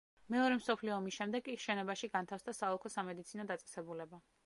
მეორე მსოფლიო ომის შემდეგ კი შენობაში განთავსდა საოლქო სამედიცინო დაწესებულება.